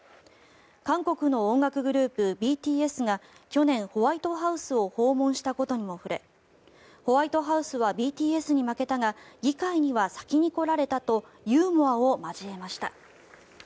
韓国の音楽グループ、ＢＴＳが去年、ホワイトハウスを訪問したことにも触れホワイトハウスはＢＴＳに負けたが議会には先に来られたとユーモアを交えました。